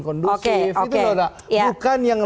kondusif bukan yang